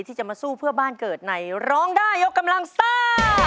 ที่จะมาสู้เพื่อบ้านเกิดในร้องได้ยกกำลังซ่า